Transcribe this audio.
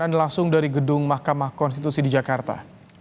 anda langsung dari gedung mahkamah konstitusi di jakarta